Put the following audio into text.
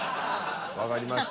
わかりました。